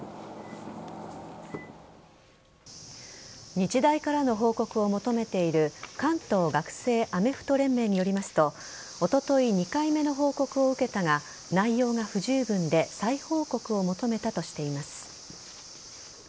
日大からの報告を求めている関東学生アメフト連盟によりますとおととい２回目の報告を受けたが内容が不十分で再報告を求めたとしています。